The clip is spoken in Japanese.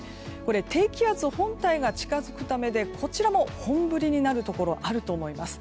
低気圧本体が近づくためでこちらも本降りになるところあると思います。